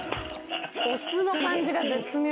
お酢の感じが絶妙。